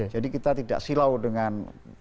jadi kita tidak silau dengan empat